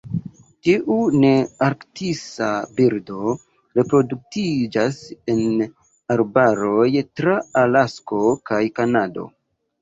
Tiu nearktisa birdo reproduktiĝas en arbaroj tra Alasko kaj Kanado.